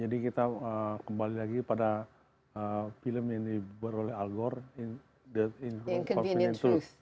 jadi kita kembali lagi pada film yang dibuat oleh al gore inconvenient truth